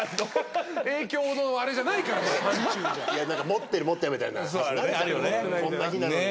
もってるもってないみたいなこんな日なのにね。